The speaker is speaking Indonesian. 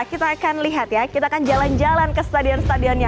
kita akan lihat ya kita akan jalan jalan ke stadion stadionnya